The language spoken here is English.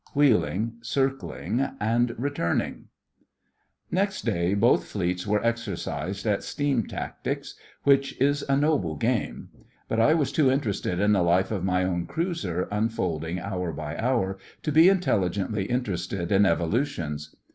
WHEELING, CIRCLING, AND RETURNING Next day both Fleets were exercised at steam tactics, which is a noble game; but I was too interested in the life of my own cruiser, unfolding hour by hour, to be intelligently interested in evolutions.